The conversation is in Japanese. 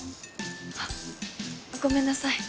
あごめんなさい。